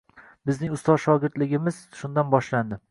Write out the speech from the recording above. Bizning ustoz-shogirdligimiz shundan boshlandi.